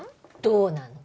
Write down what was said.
どうなの？